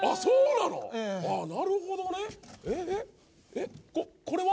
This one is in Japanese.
えっこれは？